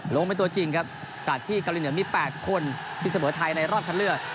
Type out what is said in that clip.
ลงเป็นตัวจริงครับขณะที่เกาหลีเหนือมี๘คนที่เสมอไทยในรอบคันเลือก